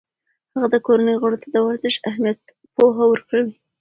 هغه د کورنۍ غړو ته د ورزش اهمیت پوهه ورکوي.